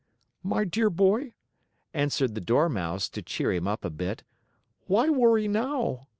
"My dear boy," answered the Dormouse to cheer him up a bit, "why worry now?